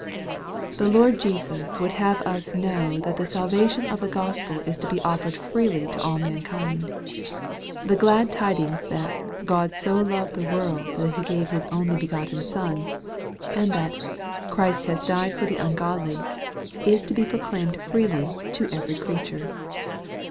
The Lord Jesus would have us know that the salvation of the Gospel is to be offered freely to all mankind. The glad tidings that " God so loved the world that he gave his only begotten Son," and that " Christ has died for the ungodly," is to be proclaimed freely " to every creature."